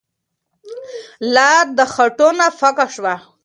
لار د خټو نه پاکه شوه.